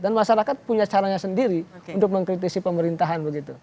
dan masyarakat punya caranya sendiri untuk mengkritisi pemerintahan begitu